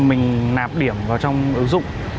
mình nạp điểm vào trong ứng dụng